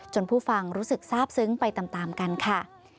ผู้ฟังรู้สึกทราบซึ้งไปตามกันค่ะ